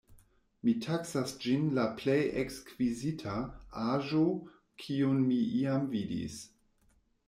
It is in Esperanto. Mi taksas ĝin la plej ekskvizita aĵo kiun mi iam vidis.